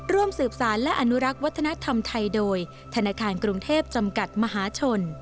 ร่วมสืบสารและอนุรักษ์วัฒนธรรมไทยโดยธนาคารกรุงเทพจำกัดมหาชน